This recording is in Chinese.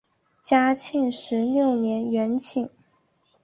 嘉庆十六年园寝。